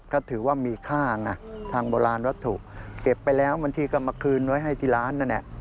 ก็ถือว่ามีค่าไงทางโบราณวัตถุเก็บไปแล้วบางทีก็มาคืนไว้ให้ที่ร้านนั่นแหละ